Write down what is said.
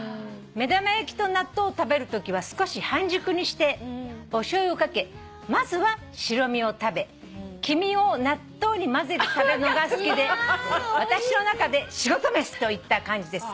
「目玉焼きと納豆を食べるときは少し半熟にしておしょうゆを掛けまずは白身を食べ黄身を納豆にまぜて食べるのが好きで私の中で仕事飯！といった感じです」